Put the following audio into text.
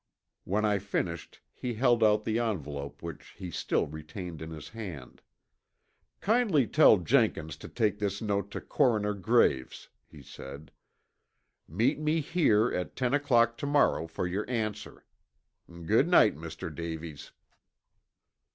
When I finished he held out the envelope which he still retained in his hand. "Kindly tell Jenkins to take this note to Coroner Graves," he said. "Meet me here at ten o'clock to morrow for your answer. Good night, Mr. Davies."